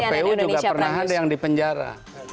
kpu juga pernah ada yang dipenjara